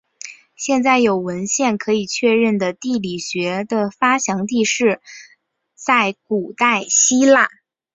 现在有文献可确认的地理学的发祥地是在古代希腊。